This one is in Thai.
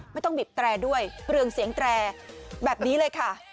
ไม่ต้องบีบแตรด้วยเครื่องเสียงแตรแบบนี้เลยค่ะ